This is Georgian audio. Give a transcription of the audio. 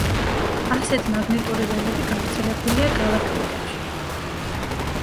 ასეთ მაგნიტური ველები გავრცელებულია გალაქტიკებში.